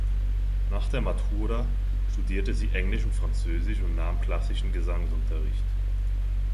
Nach der Matura studierte sie Englisch und Französisch und nahm klassischen Gesangsunterricht.